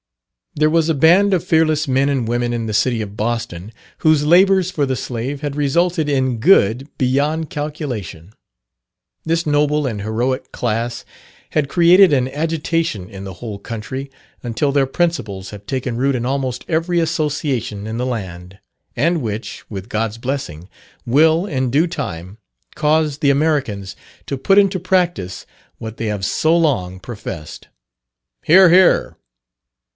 There was a band of fearless men and women in the city of Boston, whose labours for the slave had resulted in good beyond calculation. This noble and heroic class had created an agitation in the whole country, until their principles have taken root in almost every association in the land, and which, with God's blessing, will, in due time, cause the Americans to put into practice what they have so long professed. (Hear, hear.)